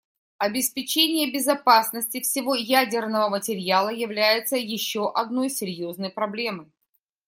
Обеспечение безопасности всего ядерного материала является еще одной серьезной проблемой.